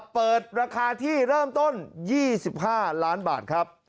เปิดราคาที่เริ่มต้น๒๕ล้านบาทครับ